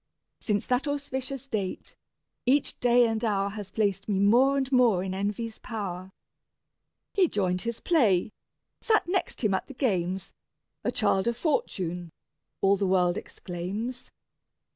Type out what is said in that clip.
Since that auspicious date, each day and hour Has placed me more and more in envy's power: "He joined his play, sat next him at the games: A child of Fortune!" all the world exclaims.